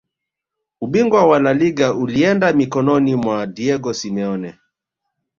ubingwa wa laliga ulienda mikononi mwa diego simeone